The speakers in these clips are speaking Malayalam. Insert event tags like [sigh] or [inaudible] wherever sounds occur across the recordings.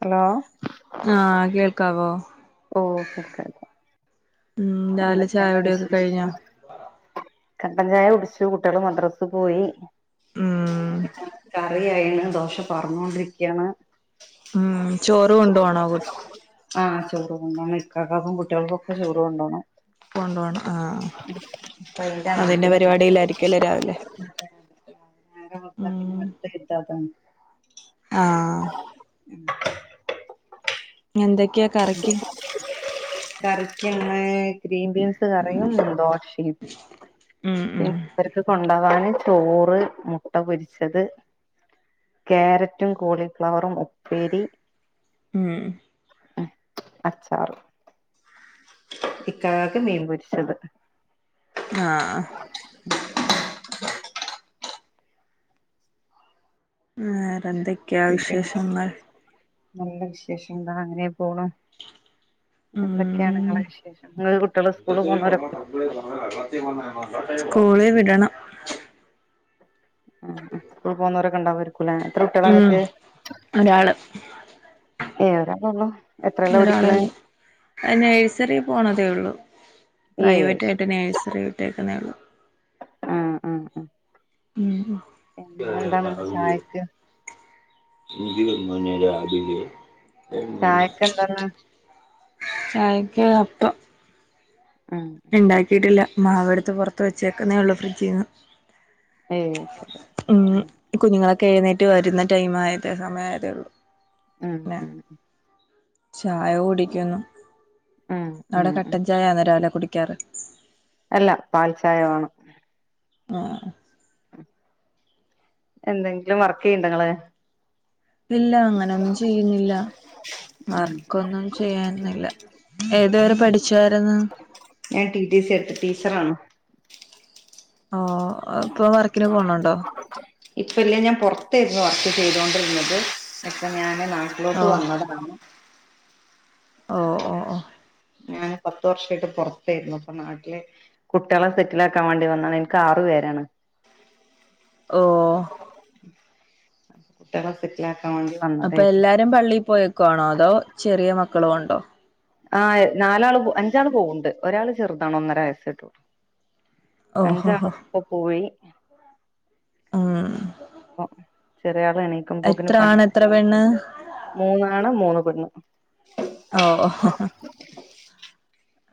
ഹലോ ആ കേൾക്കാവോ? ഓ കേൾക്കാം ഉം, രാവിലെ എന്തൊക്കെയാണ് ചായുടിയൊക്കെ കഴിഞ്ഞൊ? വിശേഷങ്ങൾ കട്ടൻ ചായ കുടിച്ചു കുട്ട്യേള് മദ്രസ് പോയി. ഉം കറിയായിണ്. ദോശ പാർന്നൊണ്ടിരിക്ക്യാണ്. ഉം, ചോറ് കൊണ്ടോവണോ കു ആഹ്, ചോറ് കൊണ്ടോണം. ഇക്കാക്കാക്കും കുട്ട്യേൾക്കൊക്കെ ചോറ് കൊണ്ടോണം. കൊണ്ടോണം ആ അപ്പൊ അയിന്റെ അതിന്റെ ആഗ്രഹാണ് പരിപാടിയിലായിരിക്കല്ലേ രാവിലേ. നേരം വെളുത്ത പിന്നെ [unintelligible] ആഹ് [unintelligible] ക്ക കറിക്ക് കറിക്കിന്ന് ഗ്രീൻ ബീൻസ് കറിയും ദോശയും. ഉം ഉം അവർക്ക് കൊണ്ടവാന് ചോറ് മുട്ട പൊരിച്ചത്. കാരറ്റും കോളിഫ്ലവറും ഉപ്പേരി ഉം അച്ചാറ്. ഇക്കാക്ക് മീൻപൊരിച്ചത്. ആഹ് [inaudible] വേറെ എന്തൊക്കെയാ പിന്നെ വിശേഷങ്ങൾ? നല്ല വിശേഷം താ അങ്ങനെ പോണു. എന്തൊക്കെയാണ് ഉം ഇങ്ങളെ വിശേഷം ഇങ്ങളെ കുട്ടിയള് സ്കൂൾള് പോണോരൊ സ്കൂളിൽ വിടണം ആഹ് അ സ്കൂൾ പോകുന്നവരൊക്കെണ്ടാ യിരിക്കൂല്ലേ ഉം, ഒരാള് ഏഹ്, ഒരാൾ ഒള്ളൂ എത്ര എല്ലോ ഒരാളെ പിടിക്കണ് ഉള്ളൂ അത് നെഴ്സറി പോണതേ ഉള്ളൂ ഏഴ് പ്രൈവറ്റ് ശരി ആയിട്ട് നേഴ്സറി വിട്ടേക്കന്നെഉള്ളൂ. ആഹ് അ പിന്നെ എന്താണിന്ന് ചായക്ക് [unintelligible] ചായക്ക് എന്താന്ന് [inaudible] ചായക്കെ അപ്പം ഉം ഇണ്ടാക്കിയിട്ടില്ല, മാവ് എടുത്ത് പൊറത്ത് വച്ചേക്കുന്നേ ഉള്ളൂ ഫ്രിഡ്ജീന്ന്. ഏ ശരി ഉം കുഞ്ഞുങ്ങളൊക്കെ എഴുന്നേറ്റ് വരുന്ന ടൈം ആയത് സമയ ആയതേ ഒള്ളൂ ഉം ഉം ചായ കുടിക്കുന്നു ഉം ഉം അവിടെ ഉം കട്ടൻ ചായയന്ന് രാവിലെ കുടിക്കാറ് അല്ല പാൽ ചായ വേണം ആഹ് എന്തെങ്കിലും വർക്ക് ചെയ്യ്ണ്ടങ്ങള് ഇല്ല അങ്ങനൊന്നും ചെയ്യുന്നില്ല ഉം വർക്കൊന്നും ചെയ്യുന്നില്ല ഏതുവെരെ പഠിച്ചായിരുന്നു ഞാൻ ടി ടി സി എടുത്ത്, ടീച്ചർ ആണ് ഓഹ്! ഇപ്പൊ വർക്കിന് പോണണ്ടോ? ഇപ്പ ഇല്ല ഞാൻ പൊറത്തായിരുന്നു വർക്ക് ചെയ്തോണ്ടിരുന്നത് ഇപ്പൊ ഞാന് ഓ ങ്ങോട്ട് വന്നതാണ് ഓ ഓ ഓ ഞാന് പത്ത് വർഷയിട്ട് പുറത്തേരുന്നു ഇപ്പൊ നാട്ടില് കുട്വളെ സെറ്റിലാക്കാൻ വേണ്ടി വന്നതാണ് ഇന്ക്ക് ആറു പേരാണ് ഓ ട്വേളെ സെറ്റിലാക്കാ വേണ്ടി അപ്പൊ വന്നതായിരുന്നു എല്ലാരും പള്ളിയിൽ പോയേക്കൊണോ അതോ ചെറിയ മക്കളോ ഒണ്ടോ ആഹ് നാലാള് അഞ്ചാൾ പോവ്ണ്ട് ഒരാള് ചെറുതാണ് ഒന്നര വയസ്സയിട്ടൊള്ളു അഞ്ചാൾ ഓഹോഹോ ഇപ്പ പോയി മ് ചെറിയ ആള് എണി എത്ര ആണ് എത്ര പെണ്ണ് മൂന്നാണ് മൂന്ന് പെണ്ണ് ഓ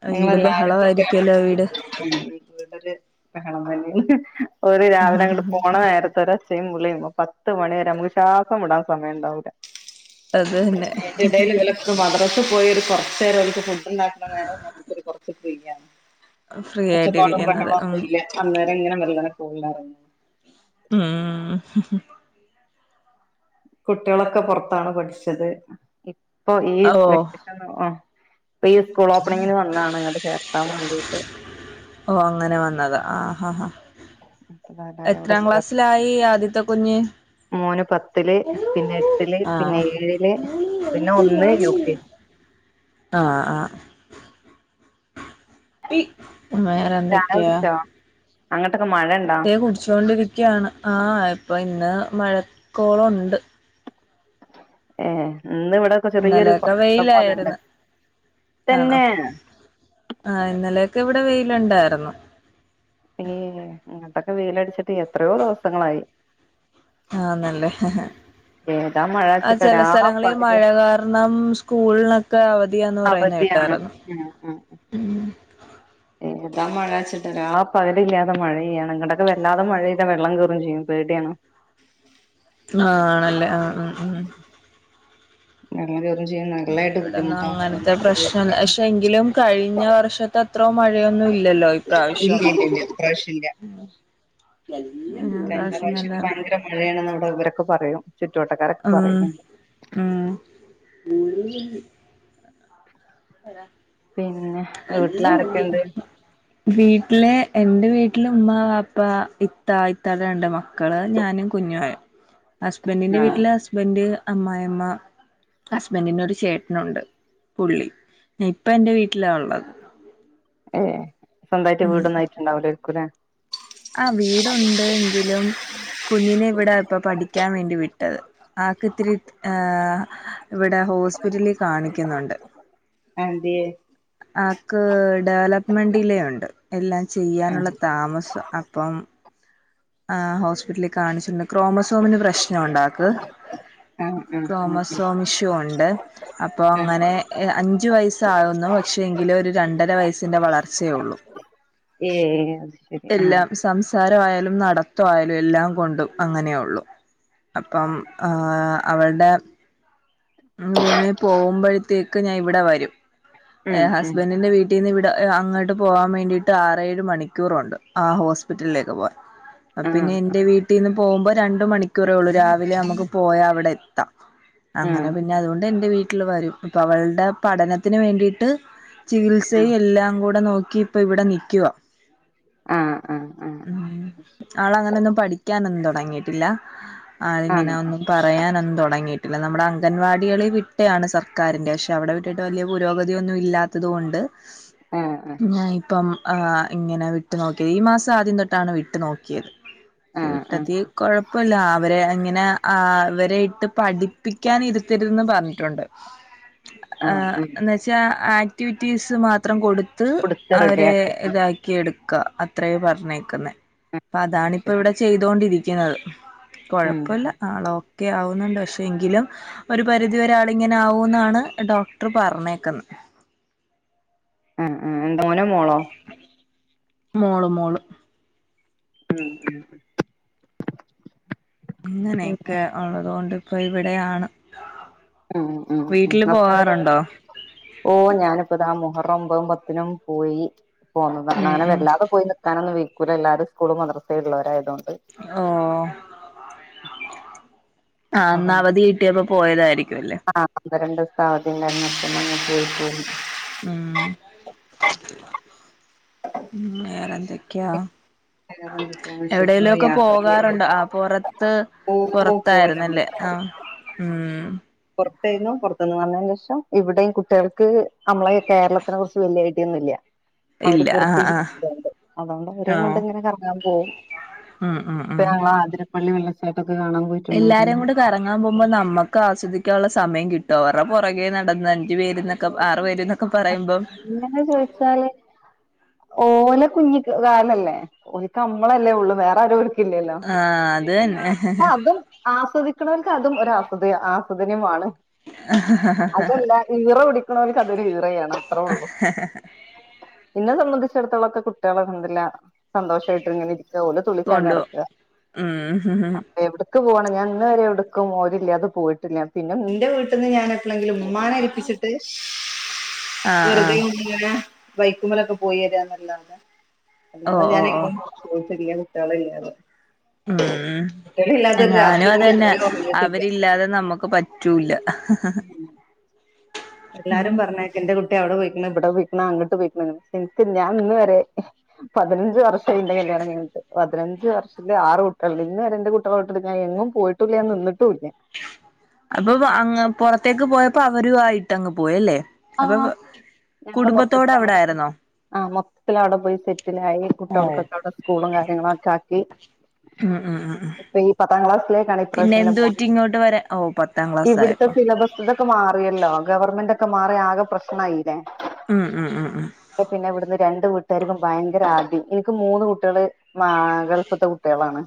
ഓ ഈട് ബഹള ആയിരിക്കൊല്ലോ വീട് ല് വീടൊരു ബഹളതന്നെ ഓര് രാവിലെ അങ്ങട്ട് പോണ നേരത്തോര് ഒച്ച പുളി പത്ത് മണി വരെ നമുക്ക് ശ്വാസം വി ടാൻ സമയണ്ടാവുല അത് തന്നെ അയിൻ്റെടേൽ ഇവലൊക്കെ മദ്റസ പോയൊരു കൊറേച്ച് നേരം ഒരുക്ക് ഫുഡ്‌ ഉണ്ടാക്കണ്ട [unintelligible] ഫ്രീ ഒച്ചപ്പാടും ആയിട്ടിരിക്കുന്നത് ഉം ബഹൊളൊന്നുല്ല അന്നേരം ഇങ്ങനെ മെല്ലനെ പോകല്ലാരും മ് കുട്വിളൊക്കെ പൊർത്താണ് പഠിച്ചത് ഇപ്പൊ ഈ ഓ വെക്കേഷൻ ആഹ് ഇപ്പൊ ഈ സ്കൂൾ ഓപ്പണിങ്ങിന് വന്നതാണ് ഇങ്ങട്ട് ചേർത്താൻ വാണ്ടീട്ട് ഓ അങ്ങനെ വന്നത ആ ഹാ ഹാ [inaudible] ചേർ എത്രാക്ലാസ്സിലായി ആദ്യത്തെ കുഞ്ഞ് മോന് പത്തില് പിന്നെ എട്ടില് ആ പിന്നെ ഏഴ്ല് പിന്നെ ഒന്ന് യു കെ ജി ആഹ് ആഹ് [unintelligible] ചായകുടിച്ചോ അങ്ങോട്ടൊക്കെ മഴ ഉണ്ടോ കുടിച്ചുകൊണ്ടിരിക്യണ് ആ ഇപ്പൊ ഇന്ന് മഴക്കോളുണ്ട് ഏ ഇന്ന് ഇവിടെക്കെ ചെറിയൊരു ഇന്നലെയൊക്കെ കോ പോലണ്ട് വെയിലായിരുന്നു തന്നെ ആഹ് ഇന്നലെയൊക്കെ ഇവിടെ വെയിലുണ്ടായിരുന്നു ഏ ഇങ്ങട്ടക്കെ വെയി ലടിച്ചിട്ട് എത്രയോ ദിവസങ്ങളായി ആണല്ലേ ഹേ ഹേ ഏതാ മഴ ആ ചെല സലങ്ങളിൽ മഴ കാരണം സ്കൂളിനൊക്കെ അവധിയാപറയുന്ന്കേട്ടായിരുന്നു ആഹ് ആഹ് ആഹ് ഉം ഏതാ മഴച്ചിട്ട രാ പകല് ല്ലാതെ മഴയ്യാണ് ഇങ്ങട്ടൊക്കെ വല്ലാതെ മഴയ് ത വെള്ളം കേറും ചെയ്യും പേടിയാണ് ആ ആണല്ലേ ആ ആ ഉം വെള്ളം കേറും ചെയ്യും നല്ലായിട്ട് ഇവിടന്ന് ബുദ്ധിമുട്ടാ അങ്ങനത്തെ ഇല്ല പ്രശ്നം ക്ഷെ എങ്കിലും കഴിഞ്ഞ വർഷത്തെ. ത്രോ മഴയൊന്നും ഇല്ലല്ലോ ഈ പ്രാവശ്യം ഇല്ല ഇല്ല ഇപ്രാവശ്യല്ല ഉം പ്രാവശ്യം നല്ല മഴയാണണ് അവിടെ ഇവരൊക്കെ പറയും ചുറ്റവട്ടക്കാരൊക്കെ ഉം പറയുന്നുണ്ട് ഉം [unintelligible] വരാ പിന്നെ വീട്ടില് ആരൊക്കെണ്ട് വീട്ടില് എന്റെ വീട്ട്ല് ഉമ്മ വാപ്പ ഇത്ത ഇത്താടെ രണ്ട് മ മക്കള് ഞാനും കുഞ്ഞാണ് ഹസ്ബന്റിന്റെ ആഹ് വീട്ടില് ഹസ്ബന്റ് അമ്മായമ്മ ഹസ്ബന്റിനൊരു ചേട്ടനുണ്ട് പുളി ഇപ്പ എന്റെ വീട്ടിലാ ഉള്ളത് ഏ സ്വന്തായിട്ട് വീടൊന്നും ആയിറ്റ് ണ്ടാവുലേരികുലെ ആ വീടുണ്ട് എങ്കിലും കുഞ്ഞിനെ ഇവിടാ ഇപ്പ പഠിക്കാൻ വേണ്ടി വിട്ടത് ആക്ക്ത്തിരി ആ ആ ഇവിടെ ഹോസ്പിറ്റലിൽ കാണിക്കുന്നുണ്ട് അ എന്തേയ് ആക്ക് ഡെവലപ്മെൻറിലേണ്ട് എല്ലാം ചെയ്യാനുള്ള ആഹ് താമസം അപ്പം ആഹോസ്പിറ്റലിൽ കാണിച്ചുണ്ട് ക്രോമസോമിന് പ്രശ്നം ഉണ്ടാക്ക് ആഹ് ആഹ് ആഹ് ക്രോമസ്വാമിഷു ഉണ്ട് അപ്പോ ആഹ് അങ്ങനെ ഹേ അഞ്ചു വയസ്സാവുന്നു പക്ഷേ എങ്കിലും ഒരു രണ്ടര വയസ്സി്ന്റെ വളർചേ ഉള്ളു ഏഹ് ശരി ആഹ് എല്ലാം സംസാരംയാലും നടത്തയാലും എല്ലാം കൊണ്ടും അങ്ങനെ ഉള്ളൂ അപ്പം ആ അവള്ടെ വേണേ പോകുമ്പോഴത്തേക്ക് ഞാൻ ഇവിടെ വരും ഉം ഉം ഹസ്ബന്റ്ന്റെ വീട്ടിൽ ഇന്ന് ഇവിടെ അങ്ങോട്ട് പോകാൻ വേണ്ടിയിട്ട് ആറേഴ് മണിക്കൂറുണ്ട് ആ ഹോസ്പിറ്റലിലേക്ക് പോകാൻ പിന്നെ ആഹ് എന്റെ വീട്ടിന്ന് പോകുമ്പോ രണ്ട് മണിക്കൂറേ ഉള്ളൂ രാവിലെ നമുക്ക് പോയാൽ അവിടെ എത്താ അങ്ങനെ ആഹ് പിന്നെ അതുകൊണ്ട് എന്റെ വീട്ടില് വരും അപ്പൊ അവളുടെ പഠനത്തിന് വേണ്ടീട്ട് ചികിത്സയും എല്ലാം കൂടെ നോക്കി ഇപ്പൊ ഇവിടെ നിക്കുവാ ആഹ് ആഹ് ഉം ആളങ്ങനൊന്നും പഠിക്കാനൊന്നും തുടങ്ങിട്ടില്ല ആഹ് ആളിങ്ങനെ ആഹ് ഒന്നും പറയാനൊന്നും തുടങ്ങിയിട്ടില്ല നമ്മുടെ അം ഗൻവാടികളി വിട്ടയാണ് സർക്കാരിൻ്റെ പക്ഷെ അവിടെ വിട്ടിട്ട് വലിയ പുരോഗതിയൊന്നും ഇല്ലാത്തതുകൊണ്ട് ആഹ് ആഹ് ഞാൻ ഇപ്പം ആഹ് ഇങ്ങനെ വിട്ടു നോക്കിയത് ഈ മാസം ആദ്യം തൊട്ടാണ് വിട്ട് നോക്കിയത് പക്ഷെ ആഹ് ആഹ് വിട്ടതിൽ കുഴപ്പല്ല അവരെ അങ്ങനെ ആഹ് അവരെ ഇട്ട് പഠിപ്പി ക്കാന് ഇരുത്തരുതെന്ന് പറഞ്ഞിട്ടുണ്ട് ആഹ് [unintelligible] ആഹ് എന്ന് വ [unintelligible] [unintelligible] ആക്ടിവിറ്റീസ് മാത്രം കൊടുത്ത് കൊടുത്ത് അവരെ റെഡിയാക്ക ആഹ് ഇതാക് ക്കിയെടുക്ക അത്രേയ പറഞ്ഞേക്കുന്ന അപ്പൊ അതാണ് ആഹ് ഇപ്പ ശരി ഇവിടെ ചെയ്തോണ്ടിരിക്കുന്നത് ഉം കുഴപ്പൊല്ല ആള് ഒക്കെ ആവുന്നുണ്ട് ക്ഷെ എങ്കിലും ഒരു പരിധി വരെ ആള് ഇങ്ങനെ ആവൂന്നാണ് ഡോക്ടർ പറഞ്ഞേക്കുന്ന ഉം ഉം മോനോ മോളോ മോള് മോള് ഉം ഉം [unintelligible] ഇങ്ങനെയൊക്കെ ഉള്ളതുകൊണ്ട് ഇപ്പൊ ഇവിടെയാണ് ഉം ഉം ഉം വീട്ടില് പോകാറുണ്ടോ [unintelligible] ഓഹ് ഞാനിപ്പ ദാ മുഹറം ഒമ്പതും പത്തിനും പോയി പോകുന്നതാണ് ഉം അങ്ങനെ ഉം വല്ലാതെ പോയി നിക്കാനൊന്നും വൈക്കുലല്ലോ എല്ലാരും സ്കൂളും മദ്രസേം ഉള്ളവരായതുകൊണ്ട് ഓഹ് ആഹ് ഇന്ന് മുഹറം അവധി കിട്ടിയപ്പോ പോയതായിരിക്കും അല്ലേ ആഹ് ഒന്നരണ്ട് ദിവസത്തെ അവധിണ്ടാരുന്ന് അ [unintelligible] ഉം ഉം വേറെന്തൊക്കെയാ വേറെ എന്തൊക്കെയാണ് എവിടേലും വിശേഷങ്ങള് ഒക്കെ യാത്ര പോകാറുണ്ടൊ ചെയ്യലുണ്ടോ ആഹ് പുറത്ത് പോക്കും പുറത്തായിരുന്നല്ലേ ആഹ് ഉം പുറത്തായിരുന്നു പുറത്ത്ന്ന് വന്നതിന് ശേഷം ഇവിടെയും കുട്ടികൾക്ക് നമ്മളെ കേരളത്തിനെ കുറിച്ച് വല്യായിട്ട് [unintelligible] അവര് ഇല്ല ആ പുറത്ത് ആ ജീവിച്ചതോണ്ട് അതുകൊണ്ട് ആ അവരേം കൊണ്ട് [unintelligible] കറാങ്ങാൻ പോവും ഉം ഉം പിന്നെ ഉം ഞങ്ങള് ആതിരപ്പള്ളി വെള്ളച്ചാട്ടൊക്കെ കാണാം പോയി എല്ലാരേം കൂടെ കറങ്ങാൻ പോകുമ്പോ നമ്മക്ക് ആസ്വദിക്കാനുള്ള സമയം കിട്ട്വോ അവർടെ പുറകെ നടന്ന് അഞ്ച് പേരന്നൊക്കെ ആറ് പേര് പറയുമ്പം അങ്ങനെ ചോയിച്ചാല് ഓല കുഞ്ഞിക്കാലല്ലേ ഓലക്ക്മ്മളല്ലേ ഉള്ളു വേറെരു ആഹ് അത് തന്നെ അപ്പൊ അതും ആസ്വദിക്കുണവർക്ക് അതും ഒരാസ്വദ ആസ്വദനിയമാണ് അതുല്ല ഈറ പിടിക്കണവർക്ക് അതൊരു ഈറയാണ് അത്രേ ഉള്ളു ഇന്നെ സംബന്ധിച്ചിടത്തോളം കുട്ടികള് അൽഹംദുലില്ല സന്തോഷായിട്ട് ഇങ്ങനെ ഇരിക്കണ പോലും കൊണ്ട് പോം ഉം എവിടക്ക് പോകണം ഞാൻ ഇന്ന് വരെ എവിടുക്കും ഓരില്ലാതെ പോയിട്ടില്ല പിന്നെ ന്റെ വീട്ടിന്ന് ഞാൻ എവിടെങ്കിലും ഉമ്മാനെ ഏൽപ്പിച്ചിട്ട് ആ ആ വെറുതെ ഇങ്ങനെ ബൈക്കുമ്മേലൊക്കെ പോയി വരുവാന്നല്ലാണ്ട് ഓ അല്ലാതെ ഓ ഞാൻ ഓ എങ്ങും പോയിട്ടില [unintelligible] കുട്ടികളില്ലാതെ കുട്ടികളില്ലാതെ ഉം ഒരു ഞാനും രാത്രി പോലും അതന്നെ ഇതുവരെ ഉറങ്ങിയിട്ടില്ല അവരില്ലാതെ നമുക്ക് പറ്റ പറ്റുല്ല എല്ലാരും പറഞ്ഞ എന്റെ കുട്ടി അവിടെ പോയിക്കണ് ഇവിടെ പോയിക്കണ് അങ്ങട്ട് പോയിക്കണ് ഇനിക്ക് ഞാൻ ഇന്ന് വരെ പതിനഞ്ച് വർഷം ആയിന്റെ കല്യാണം കഴിഞ്ഞിട്ട് പതിനഞ്ച് വർഷ ന്റെ ആറ് കുട്ട്യാള്ണ്ട് ഇന്ന് വരെ കുട്ട്യാളെ വിട്ട് ഞാൻ എങ്ങും പോയിട്ടുല്ല ഞാൻനിന്നിട്ടൂല്ല്യ. അപ്പൊ അങ്ങ് പുറത്തേക്ക് പോയപ്പോ അവരുആയിട്ട്ങ്ങ് പോയി അല്ലേ? ആഹ് ഞങ്ങള് അവിടെ മൊത്തത്തിലങ്ങനെത്തെ ആയിരുന്നോ ആഹ് മൊത്തത്തില് അവിടെ പോയി സെറ്റിലായി കുട്ടികൾക്കൊക്കെ ഉം അവിടെ സ്കൂളും കാര്യങ്ങളും ഒക്കെ ആക്കി, ഉം ഉം ഇഞ് പത്താം ക്ലാസ്സിലേക്കാണ് പിന്നെ ഇപ്രാവിശ്യം ഇന്റെ എന്ത് മോൻ പറ്റി ഇങ്ങോട്ട് വരാൻ ഓ പത്താം ക്ലാസ് ഇവിടുത്തെ ആയപ്പോ സിലബസ് ഇതൊക്കെ മാറിയല്ലോ ഗവൺമെന്റൊക്കെ മാറി ആകെ പ്രശ്നയില്ലേ? ഉം ഉം ഉം ഉം പിന്നെ ഇവിടുന്ന് രണ്ട് വീട്ടുകാർക്കും ഭയങ്കര ആദി എനിക്ക് മൂന്ന് കുട്ട്യാള് മാ ഗൾഫ്ത്തെ കുട്ട്യാളാണ്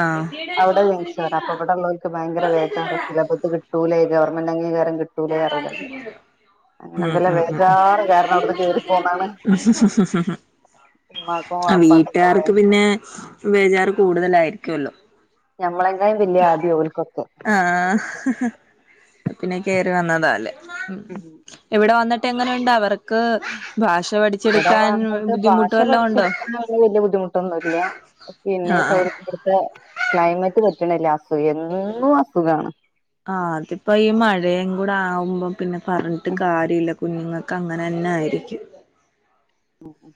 ആഹ് അവിടെ ജനിച്ചല്ലേ അപ്പ ഇബടെ ഉള്ളോല്ക്ക് ഭയങ്കരവെജാർ സിലബസ് കിട്ട [unintelligible] ഗവൺമെന്റ് അംഗീകാരംകിട്ട് [unintelligible] [unintelligible] ഉം ഇവലെ ഉം വേജാറ് കാരണം അവിടുന്ന് കേറി പോന്നാണ് ഉം ഉമ്മാകും വാപ്പ വീട്ടുകാർക്ക് പിന്നെ ബേജാറ് കൂടുതലായിരിക്കുല്ലോ? ഞമ്മള്കായ് വല്യ ആദ്യം ഓൽക്കൊക്കെ അപ്പൊ പിന്നെ ആഹ്‌ പിന്നെ കേയറി വന്നതാല്ലേ മ്മ് ഇവിടെ വന്നിട്ട് എങ്ങനെയുണ്ട് അവർക്ക് ഭാഷ പഠിച്ച ഇവിടെ വന്നിട്ട് ഭാഷ പഠിച്ചെടുക്കാന് വല്യ ബുദ്ധിമുട്ടൊന്നുല്ല്യ പിന്നെ ആഹ് ആഹ് [unintelligible] ക്ലൈമറ്റ് പറ്റ്ണില്ല്യ എന്നും അസുഖാണ് ആഹ് അതിപ്പോ ഈ മഴയും കൂടെ ആവുമ്പോ പിന്നെ പറഞ്ഞിട്ട് കാര്യല്ല്യ. കുഞ്ഞുങ്ങൾക്ക് അങ്ങനെ തന്നെ ആയിരിക്കും ഉം ഉം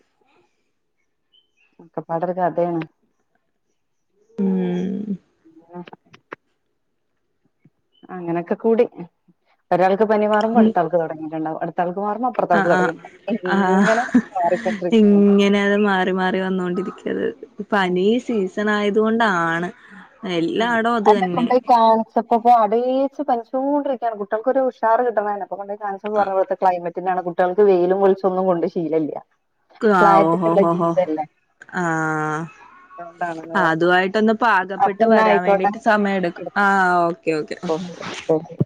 ഒക്കെപാടൊരു കഥെണ്. ഉം [unintelligible] അങ്ങനെക്കെ കൂടി ഒരാൾക്ക് പനി മാറുമ്പോ അട്ത്താൾക്ക് തൊടങ്ങീട്ട്ണ്ടാവും അടുത്താൾക്ക് മാറുമ്പോ പ്പ ആഹ് അതു ആഹ് അറിയില്ല. ആഹ് ഇങ്ങനെ അത് മാറി മാറി വന്നൊണ്ടിരിക്കത് പനീ സീസ ത്തിനായതോണ്ടാണ് ഉം അയെന്നെ കൊണ്ടെയ് കാണിച്ചപ്പ പ്പോ അടീച്ച് പനിചൊണ്ടിര്ക്കാണ് കുട്ട്യൾക്കൊരു ഉഷാർ കിട്ട്ണ്ന്ന അപ്പൊകൊണ്ടൊയ് കാൺച [unintelligible] പർഞ്ഞേ ട്ടെ ക്ലൈമറ്റിൻ്റാണ് കുട്ട്യൾക് വെയിലും വെളിച്ചൊന്നും കൊണ്ട് ശീലല്ല്യ ക്ക് ആഹ് ഓഹോ ഹോ ഹോ ആഹ് അതുകൊണ്ടാണെന്ന് ആഹ് പറഞ്ഞു അതുവായിട്ടൊന്ന് പാക അപ്പൊ പെട്ട് എന്നാ വരാൻ ആയിക്കോട്ടെ വേണ്ടിട്ട് സമയെട്ക്കും അടുത്ത ആഹ് ഓക്കെ ഓക്കേ ഓക്കെ ഓഹ്